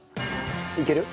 いける？